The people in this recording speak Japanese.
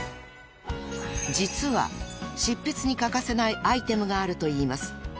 ［実は執筆に欠かせないアイテムがあるといいます］